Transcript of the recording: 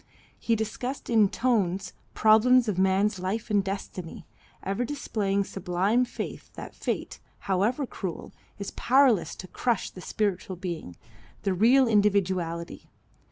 He discussed in tones problems of man's life and destiny, ever displaying sublime faith that Fate, however cruel, is powerless to crush the spiritual being, the real individuality.